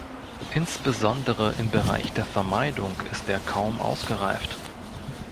Insbesondere im Bereich der Vermeidung ist er kaum ausgereift.